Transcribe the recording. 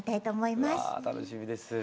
うわ楽しみです。